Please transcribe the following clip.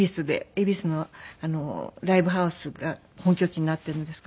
恵比寿のライブハウスが本拠地になってるんですけど。